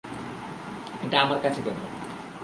এটা আমার কাছে কেন?